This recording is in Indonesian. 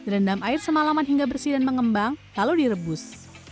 rendam air semalaman hingga bersih dan mengembang lalu direbus